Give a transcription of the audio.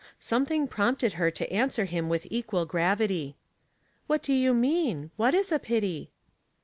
Something prompted her to answer him wiih • qual gravity. " What do you mean ? What is a pity?"